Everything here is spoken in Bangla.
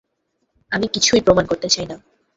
আমি কিছুই প্রমান করতে চাই না!